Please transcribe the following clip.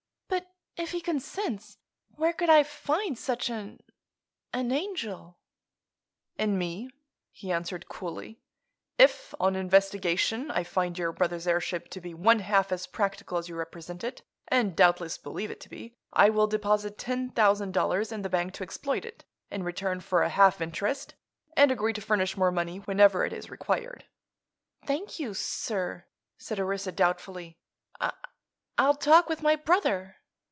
"But, if he consents, where could I find such an—an 'angel'?" "In me," he answered coolly. "If, on investigation, I find your brother's airship to be one half as practical as you represent it, and doubtless believe it to be, I will deposit ten thousand dollars in the bank to exploit it—in return for a half interest—and agree to furnish more money whenever it is required." "Thank you, sir," said Orissa, doubtfully. "I—I'll talk with my brother."